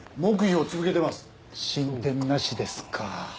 進展なしですか。